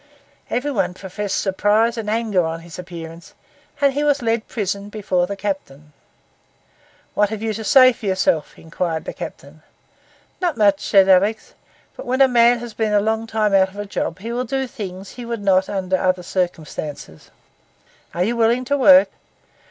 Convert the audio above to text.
Every one professed surprise and anger on his appearance, and he was led prison before the captain. 'What have you got to say for yourself?' inquired the captain. 'Not much,' said Alick; 'but when a man has been a long time out of a job, he will do things he would not under other circumstances.' 'Are you willing to work?